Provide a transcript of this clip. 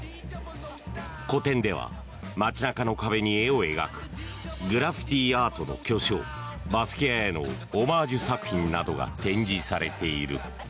個展では街中の壁に絵を描くグラフィティ・アートの巨匠バスキアへのオマージュ作品などが展示されている。